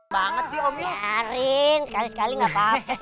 banget omnya karin sekali kali enggak